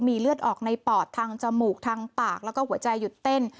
มีเลือดออกในปอดทางจมูกทางปากแล้วก็หัวใจหยุดเต้น